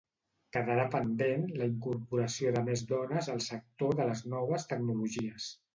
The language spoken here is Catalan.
Quedarà pendent la incorporació de més dones al sector de les noves tecnologies.